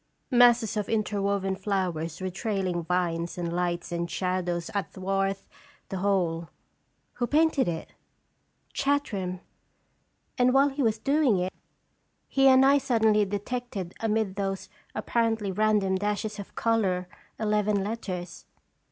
" Masses of interwoven flowers with trailing vines and lights and shadows athwart the whole. Who painted it?" "Chartram; and while he was doing it he and I suddenly detected amid those apparently random dashes of color eleven letters.